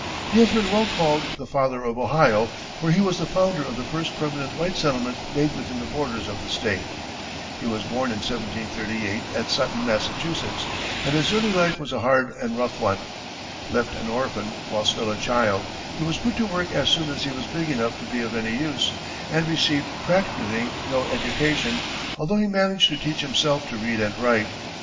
He has been well called the "Father of Ohio," for he was the founder of the first permanent white settlement made within the borders of the state. He was born in 1738, at Sutton, Massachusetts, and his early life was a hard and rough one. Left an orphan while still a child, he was put to work as soon as he was big enough to be of any use, and received practically no education, although he managed to teach himself to read and write.